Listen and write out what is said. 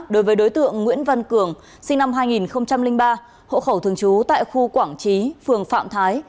đối với đối tượng nguyễn văn cường sinh năm hai nghìn ba hộ khẩu thường trú tại khu quảng trí phường phạm thái